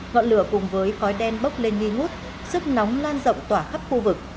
ngọn lửa cùng với khói đen bốc lên nghi ngút sức nóng lan rộng tỏa khắp khu vực